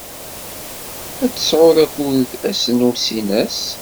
Ad tesɛud akud ass n usinas?